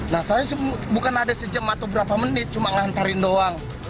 nah saya bukan ada sejam atau berapa menit cuma ngantarin doang